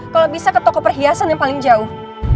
kalau bisa ke toko perhiasan yang paling jauh